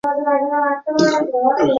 他们是亚拉冈之父亚拉松二世。